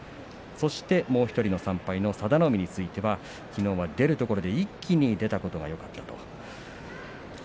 そして、もう１人３敗の佐田の海についてはきのうは出るときに一気に出たことがよかったと話していました。